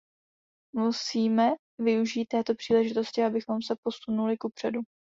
Musíme využít této příležitosti, abychom se posunuli kupředu.